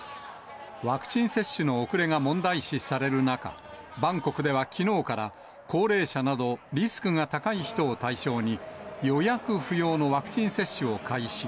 ワクチン接種の遅れが問題視される中、バンコクではきのうから、高齢者などリスクが高い人を対象に予約不要のワクチン接種を開始。